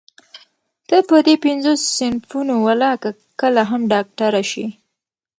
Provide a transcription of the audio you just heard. ته په دې پينځو صنفونو ولاکه کله هم ډاکټره شې.